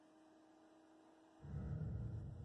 Reúne a surfistas de varios países del mundo.